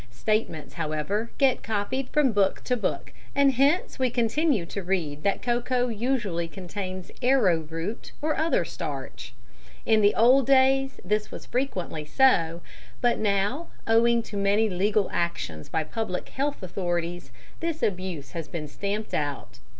Statements, however, get copied from book to book, and hence we continue to read that cocoa usually contains arrowroot or other starch. In the old days this was frequently so, but now, owing to many legal actions by Public Health Authorities, this abuse has been stamped out.